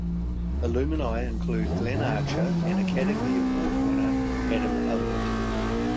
Alumni include Glenn Archer and Academy Award winner Adam Elliot.